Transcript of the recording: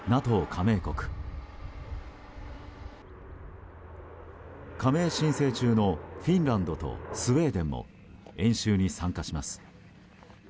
加盟申請中のフィンランドとスウェーデンも演習に参加します。